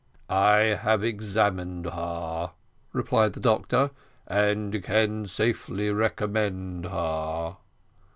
"I have examined her," replied the doctor, "and can safely recommend her."